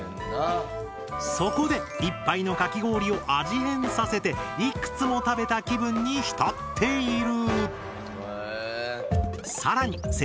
そこで一杯のかき氷を味変させていくつも食べた気分に浸っている！